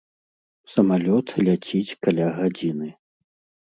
Самалёт ляціць каля гадзіны.